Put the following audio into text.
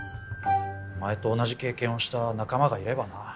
お前と同じ経験をした仲間がいればなぁ。